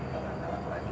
gak malam malam lagi